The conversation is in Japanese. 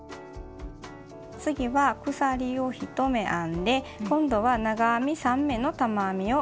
次は鎖を１目編んで今度は長編み３目の玉編みを編みます。